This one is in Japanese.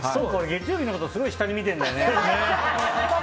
月曜日のことすごい下に見てるんだよね。